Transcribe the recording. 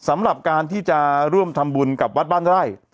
สำหรับการที่จะร่วมทำบุญกับวัดบ้านไร่